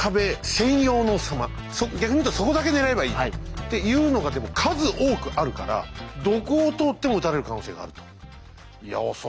逆に言うとそこだけ狙えばいいっていうのがでも数多くあるからどこを通っても撃たれる可能性があると。